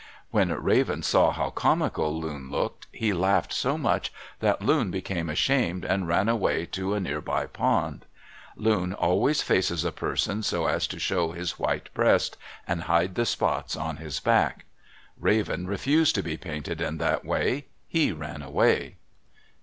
When Raven saw how comical Loon looked, he laughed so much that Loon became ashamed and ran away to a near by pond. Loon always faces a person so as to show his white breast and hide the spots on his back. Raven refused to be painted in that way. He ran away.